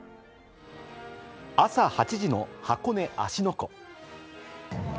朝８時の箱根・芦ノ湖。